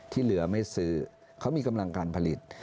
ที่เหลือไม่ซื้อเขามีกำลังการผลิต